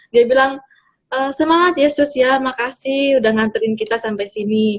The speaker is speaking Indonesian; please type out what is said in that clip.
dia bilang semangat yesus ya makasih udah nganterin kita sampai sini